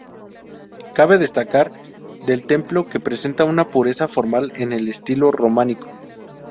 Cabe destacar del templo que presenta una pureza formal en el estilo románico.